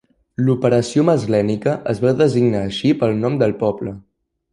L'Operació Maslenica es va designar així pel nom del poble.